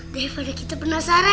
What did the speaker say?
daripada kita penasaran